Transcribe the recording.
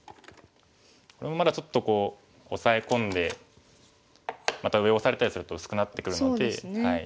これもまだちょっとこうオサエ込んでまた上をオサれたりすると薄くなってくるので。